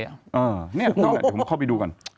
อ้าวนี่น้องเดี๋ยวผมเข้าไปดูก่อน